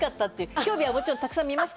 競技はもちろん、たくさん見ました。